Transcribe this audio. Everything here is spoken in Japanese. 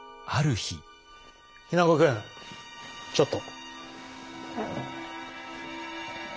日名子君ちょっと。